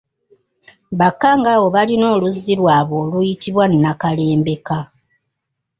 Bakkangaawo balina oluzzi lwabwe oluyitibwa Nakalembeka.